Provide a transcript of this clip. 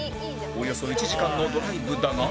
およそ１時間のドライブだが